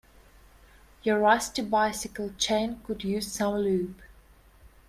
Your rusty bicycle chain could use some lube.